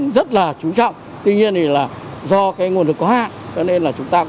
hãy đăng ký kênh để nhận thông tin